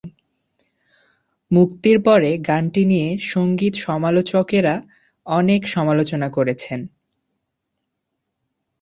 মুক্তির পরে গানটি নিয়ে সঙ্গীত সমালোচকরা অনেক সমালোচনা করেছেন।